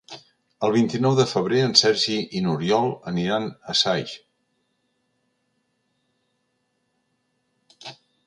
El vint-i-nou de febrer en Sergi i n'Oriol aniran a Saix.